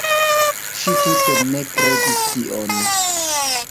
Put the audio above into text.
Ŝi tute ne kredis tion.